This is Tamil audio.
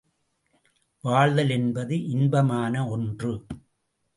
வாழ்தல் என்பது இன்பமான ஒன்று.